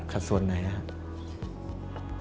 ส่วนไหนนะครับ